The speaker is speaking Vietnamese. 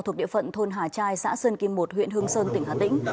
thuộc địa phận thôn hà trai xã sơn kim một huyện hương sơn tỉnh hà tĩnh